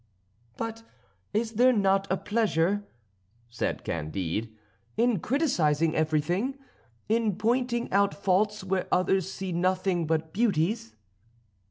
"But is there not a pleasure," said Candide, "in criticising everything, in pointing out faults where others see nothing but beauties?"